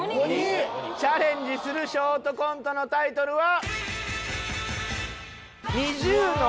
チャレンジするショートコントのタイトルは。